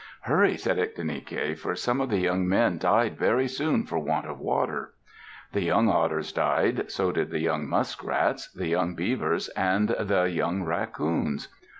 "Hurry!" said Ictinike, "for some of the young men died very soon for want of water. The young otters died, so did the young muskrats, the young beavers, and the young raccoons."